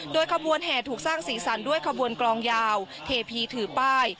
ด้วยขบวนแห่ถูกสร้างศีรษรรค์ด้วยขบวนกรองยาวเทพีถือป้าย